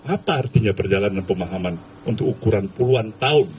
apa artinya perjalanan pemahaman untuk ukuran puluhan tahun